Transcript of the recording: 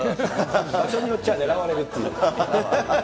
場所に寄っちゃあ狙われるっていう。